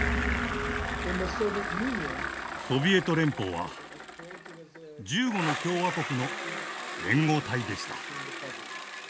ソビエト連邦は１５の共和国の連合体でした。